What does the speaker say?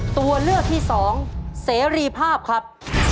ตัวเลือกที่สองเสรีภาพครับ